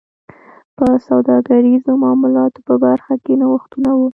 دا په سوداګریزو معاملاتو په برخه کې نوښتونه و